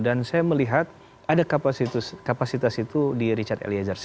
dan saya melihat ada kapasitas itu di richard eliezer